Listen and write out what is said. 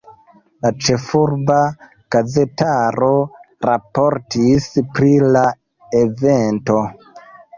La ĉefurba gazetaro raportis pri la evento.